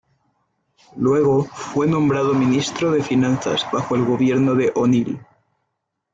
Luego fue nombrado ministro de Finanzas bajo el gobierno de O’Neill.